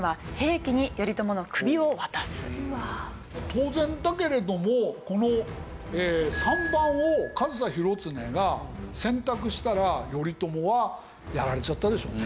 当然だけれどもこの３番を上総広常が選択したら頼朝はやられちゃったでしょうね。